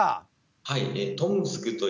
はい。